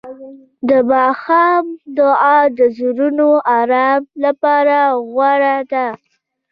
د ماښام دعا د زړونو آرام لپاره غوره ده.